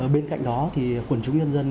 bên cạnh đó thì quần chúng nhân dân